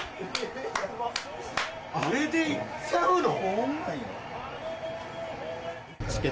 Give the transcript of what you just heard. あれでいっちゃうの。